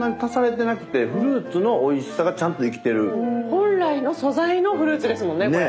本来の素材のフルーツですもんねこれ。